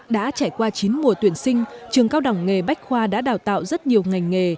đã trải qua chín mùa tuyển sinh trường cao đẳng nghề bách khoa đã đào tạo rất nhiều ngành nghề